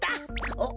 おっ？